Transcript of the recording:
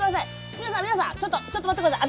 皆さん皆さんちょっとちょっと待ってください！